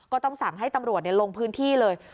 ก็ต้องสั่งให้ตำรวจลงพื้นที่เลย